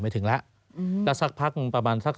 มาถึงแล้วและสักพักสัก